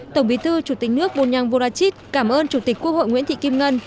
tổng bí thư chủ tịch nước bunyang vorachit cảm ơn chủ tịch quốc hội nguyễn thị kim ngân